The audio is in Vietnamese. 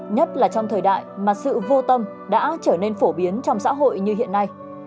nhất là trong thời đại mà sự vô tâm đã trở nên phổ biến trong xã hội như hiện nay